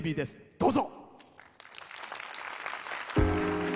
どうぞ。